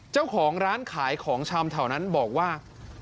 เจ้าของร้านขายของชำแถวนั้นบอกว่า